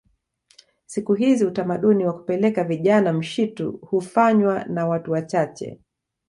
Siku hizi utamaduni wa kupeleka vijana mshitu hufanywa na watu wachache